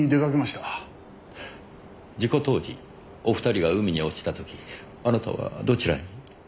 事故当時お二人が海に落ちた時あなたはどちらに？